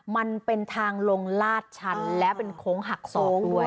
มันเป็นทางลงลาดชั้นและเป็นโค้งหักศอกด้วย